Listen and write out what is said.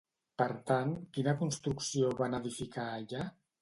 Per tant, quina construcció van edificar allà?